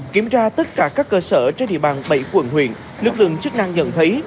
kiểm tra tất cả các cơ sở trên địa bàn bảy quận huyện lực lượng chức năng nhận thấy